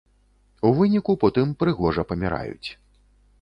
У выніку потым прыгожа паміраюць.